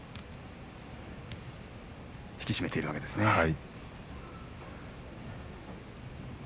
引き締めているわけですね。